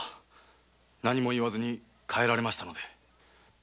何も言わずに帰られました。